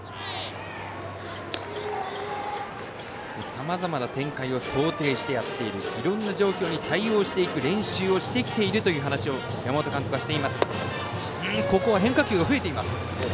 さまざまな展開を想定してやっているいろんな状況に対応していく練習をしてきているという話を山本監督はしています。